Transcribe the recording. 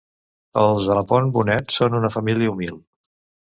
Els Alapont Bonet són una família humil.